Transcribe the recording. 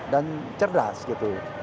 dan cerdas gitu